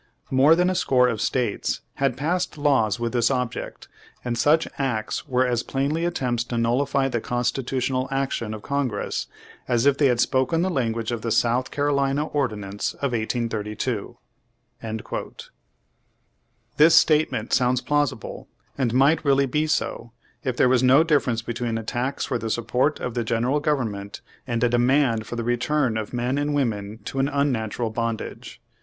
More than a score of States had passed laws with this object, and such acts were as plainly attempts to nullify the constitutional action of Con gress as if they had spoken the language of the South Carolina ordinance' of 1832." « This statement sounds plausible, and might really be so, if there was no difference between a tax for the support of the General Government, and a demand for the return of men and women to an unnatural bondage.